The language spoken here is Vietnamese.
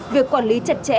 việc quản lý chặt chẽ